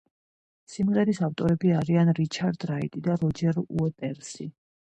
სიმღერის ავტორები არიან რიჩარდ რაიტი და როჯერ უოტერსი.